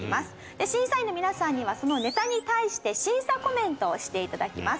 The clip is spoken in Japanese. で審査員の皆さんにはそのネタに対して審査コメントをして頂きます。